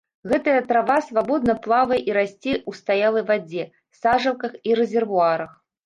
Гэтая трава свабодна плавае і расце ў стаялай вадзе, сажалках і рэзервуарах.